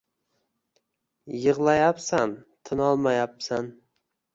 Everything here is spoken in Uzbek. Yiglayabsan tinolmayabsan